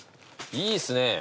いいっすね。